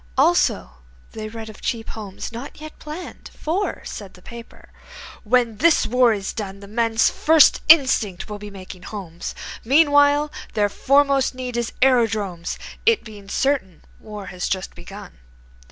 Also, they read of Cheap Homes, not yet planned; For, said the paper, "When this war is done The men's first instinct will be making homes. Meanwhile their foremost need is aerodromes, It being certain war has just begun.